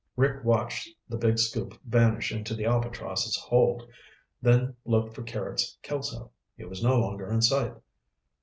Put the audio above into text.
Rick watched the big scoop vanish into the Albatross' hold, then looked for Carrots Kelso. He was no longer in sight.